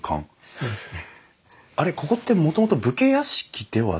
そうですね。